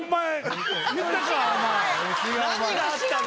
何があったの？